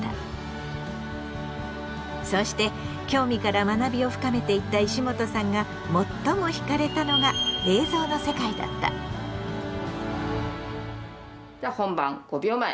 そうして興味から学びを深めていった石本さんが最もひかれたのがじゃあ本番５秒前４３２。